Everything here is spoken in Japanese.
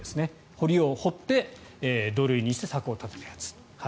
堀を掘って土塁にして柵を立てたやつ。